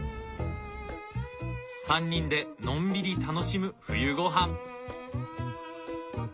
３人でのんびり楽しむ冬ごはん。